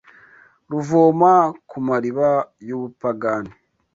Ruvoma ku mariba y’ubupagani